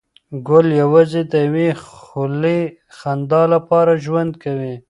ګل یوازې د یوې خولې خندا لپاره ژوند کوي.